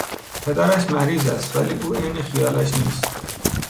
پدرش مریض است ولی او عین خیالش نیست.